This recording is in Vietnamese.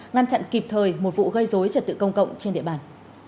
ngăn chặn kịp thời một vụ gây dối trật tự công cộng trên địa bàn